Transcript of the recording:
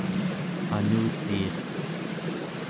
anutiiq